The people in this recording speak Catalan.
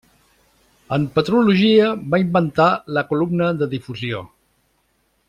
En petrologia va inventar la columna de difusió.